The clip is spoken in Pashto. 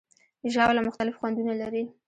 ژاوله مختلف خوندونه لري.